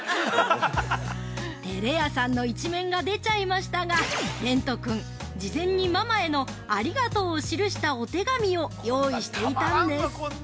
◆照れ屋さんの一面が出ちゃいましたが、蓮人君、事前にママへの「ありがとう」を記したお手紙を用意していたんです。